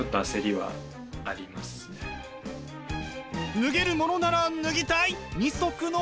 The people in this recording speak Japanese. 脱げるものなら脱ぎたい二足のわらじ。